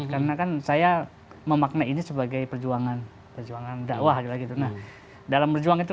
karena kan saya memaknai ini sebagai perjuangan perjuangan dakwah lagi tenang dalam berjuang